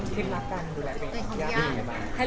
คิดรับการดูแลตัวเอง